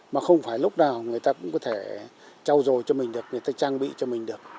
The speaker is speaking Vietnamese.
mà không phải lúc nào người ta cũng có thể trao dồi cho mình được người ta trang bị cho mình được